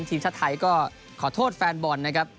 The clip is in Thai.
ทีมชาติไทยก็ขอโทษแฟนบอลนะครับ